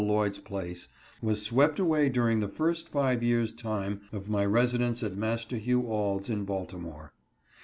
Lloyd's place, was swept away during the first five years' time of my residence at Master Hugh Auld's in Baltimore.